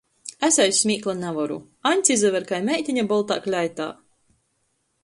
Es aiz smīkla navaru — Aņds izaver kai meitine boltā kleitā!